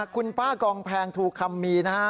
คุณป้ากองแพงทูคำมีนะฮะ